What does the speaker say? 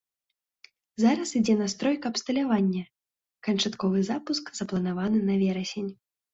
Зараз ідзе настройка абсталявання, канчатковы запуск запланаваны на верасень.